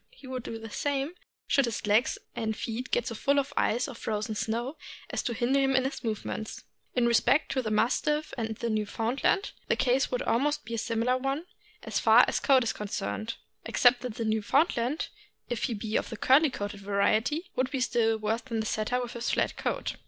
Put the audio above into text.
He would do the same should his legs and feet get so full of ice or frozen snow as to hinder him in his movements. In respect to the Mastiff and Newfoundland, the case would almost be a similar one, as far as coat is con cerned, except that the Newfoundland, if he be of the curly coated variety, would be still worse off than the Setter with his flat coat.